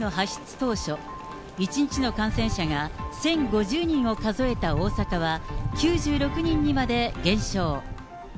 当初、１日の感染者が１０５０人を数えた大阪は、９６人にまで減少。